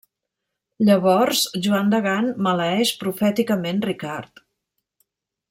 Llavors Joan de Gant maleeix profèticament Ricard.